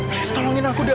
please tolongin aku da